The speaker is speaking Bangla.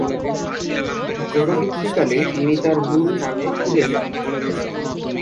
পরবর্তী কালে তিনি তার মূল নামে ফিরে যান।